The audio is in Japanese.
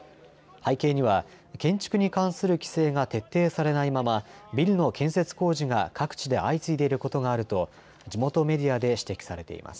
背景には建築に関する規制が徹底されないままビルの建設工事が各地で相次いでいることがあると地元メディアで指摘されています。